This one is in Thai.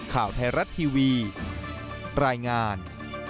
ข่าวไทยรัฐทีวีรายงาน